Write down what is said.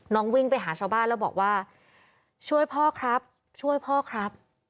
วิ่งไปหาชาวบ้านแล้วบอกว่าช่วยพ่อครับช่วยพ่อครับ